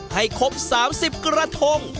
ให้ครบ๓๐กระทง